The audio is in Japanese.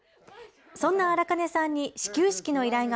そんな荒金さんに始球式の依頼が